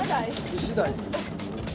イシダイ。